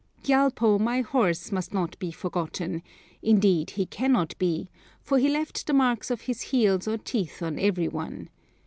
Gyalpo, my horse, must not be forgotten indeed, he cannot be, for he left the marks of his heels or teeth on every one.